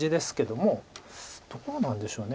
どうなんでしょう